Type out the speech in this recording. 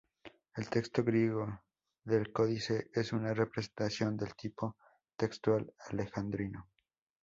El texto griego del códice es una representación del tipo textual alejandrino.